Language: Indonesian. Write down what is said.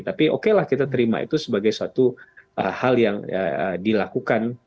tapi okelah kita terima itu sebagai suatu hal yang dilakukan